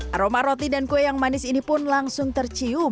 aroma roti dan kue yang manis ini pun langsung tercium